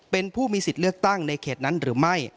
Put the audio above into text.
เป็นผู้มีสิทธิ์เลือกตั้งในเขตนั้นหรือไม่